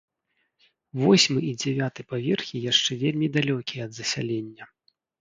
Восьмы і дзявяты паверхі яшчэ вельмі далёкія ад засялення.